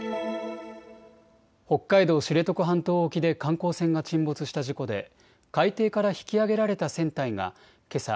北海道・知床半島沖で観光船が沈没した事故で海底から引き揚げられた船体がけさ